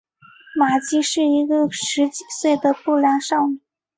玛姬是一个十几岁的不良少女。